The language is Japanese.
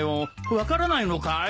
分からないのかい？